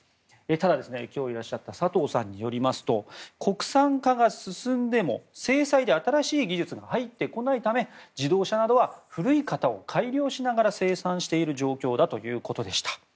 ただ、今日いらっしゃった佐藤さんによりますと国産化が進んでも制裁で新しい技術が入ってこないため自動車などは古い型を改良しながら生産している状況だということでした。